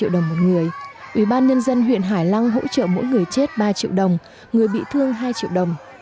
đồng nhân dân huyện hải lăng hỗ trợ mỗi người chết ba triệu đồng người bị thương hai triệu đồng